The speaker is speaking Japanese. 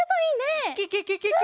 ケケケケケ！